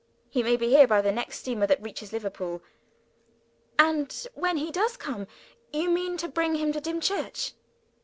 He may be here by the next steamer that reaches Liverpool." "And when he does come, you mean to bring him to Dimchurch?"